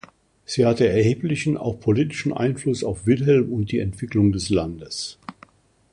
Sie hatte erheblichen, auch politischen Einfluss auf Wilhelm und die Entwicklung des Landes.